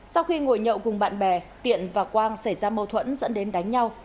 sau khi ngồi nhậu cùng bạn bè tiện và quang xảy ra mâu thuẫn dẫn đến đánh nhau